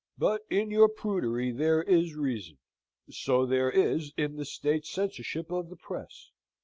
But in your prudery there is reason. So there is in the state censorship of the Press.